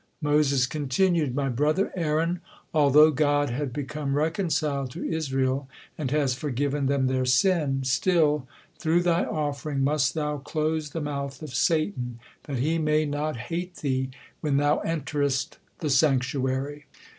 Moses continued: "My brother Aaron, although God had become reconciled to Israel and has forgiven them their sin, still, through thy offering must thou close the mouth of Satan, that he may not hate thee when thou enterest the sanctuary.